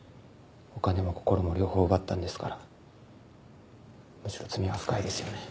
お金も心も両方奪ったんですからむしろ罪は深いですよね。